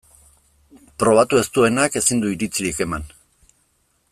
Probatu ez duenak ezin du iritzirik eman.